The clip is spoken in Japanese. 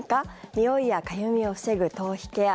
においやかゆみを防ぐ頭皮ケア。